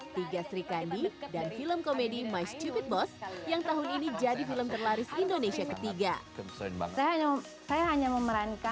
tiga sri kandi dan film komedi mys jubit boss yang tahun ini jadi film terlaris indonesia ketiga